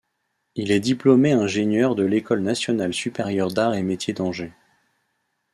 Il est diplômé ingénieur de l'École nationale supérieure d'arts et métiers d'Angers.